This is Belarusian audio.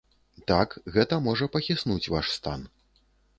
Так, гэта можа пахіснуць ваш стан.